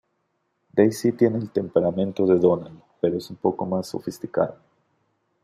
Daisy tiene el temperamento de Donald, pero es un poco más sofisticada.